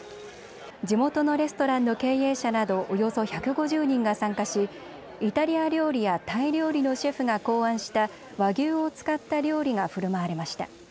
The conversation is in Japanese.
地元のレストランの経営者などおよそ１５０人が参加しイタリア料理やタイ料理のシェフが考案した和牛を使った料理がふるまわれました。